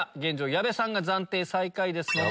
矢部さんが暫定最下位です。